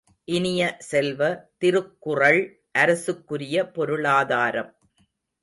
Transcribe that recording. இனிய செல்வ, திருக்குறள் அரசுக்குரிய பொருளாதாரம்.